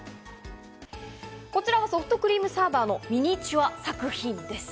こちらはソフトクリームサーバーのミニチュア作品です。